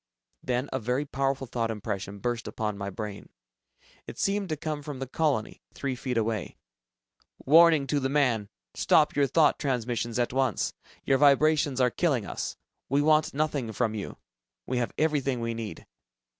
Then a very powerful thought impression burst upon my brain. It seemed to come from the colony, three feet away. "Warning to the man. Stop your thought transmissions at once! Your vibrations are killing us. We want nothing from you. We have everything we need.